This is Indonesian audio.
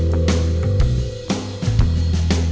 kalau lagi kerja suka tidur